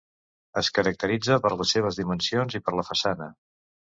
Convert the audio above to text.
Es caracteritza per les seves dimensions i per la façana.